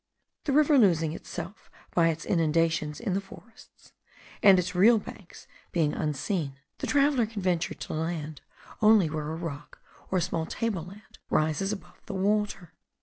The river losing itself by its inundations in the forests, and its real banks being unseen, the traveller can venture to land only where a rock or a small table land rises above the water.